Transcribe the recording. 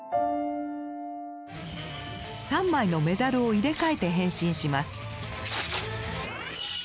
３枚のメダルを入れ替えて変身します。